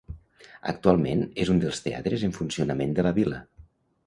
Actualment és un dels teatres en funcionament de la vila.